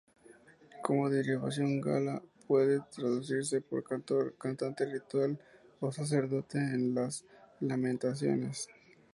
Como derivación, "gala" puede traducirse por cantor, cantante ritual o sacerdote de las lamentaciones.